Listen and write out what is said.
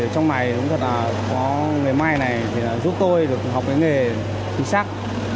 trong này cũng thật là có nghề may này giúp tôi được học cái nghề chính xác